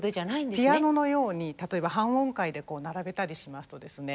ピアノのように例えば半音階でこう並べたりしますとですね